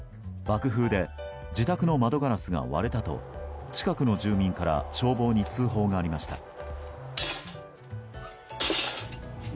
爆風で自宅の窓ガラスが割れたと近くの住民から消防に通報がありました。